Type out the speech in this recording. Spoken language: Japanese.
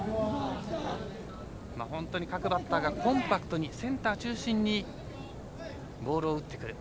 各バッターがコンパクトにセンター中心にボールを打ってくる。